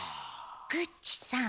グッチさん。